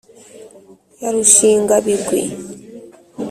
Ya Rushingabigwi